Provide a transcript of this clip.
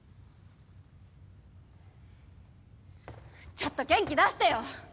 ちょっと元気出してよ！